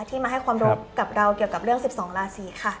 ที่มาให้ความรู้กับเราเกี่ยวกับเรื่อง๑๒ราศีค่ะ